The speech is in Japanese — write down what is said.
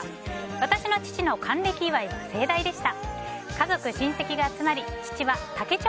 私の父の還暦祝いは盛大でした。